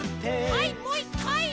はいもう１かい！